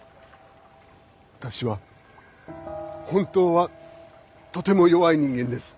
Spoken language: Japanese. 私は本当はとても弱い人間です。